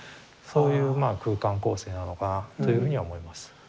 そういうまあ空間構成なのかなというふうには思います。